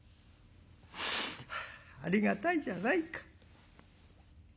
「ありがたいじゃないか。